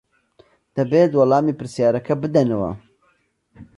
دەبێت وەڵامی پرسیارەکە بدەنەوە.